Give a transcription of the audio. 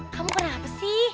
kamu kenapa sih